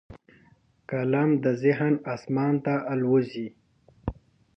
قلم د ذهن اسمان ته الوزي